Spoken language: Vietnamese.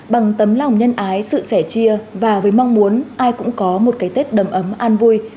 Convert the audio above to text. bằng tấm lòng nhân ái sự sẻ chia và với mong muốn ai cũng có một cái tết đầm ấm an vui